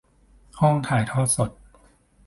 ห้องถ่ายทอด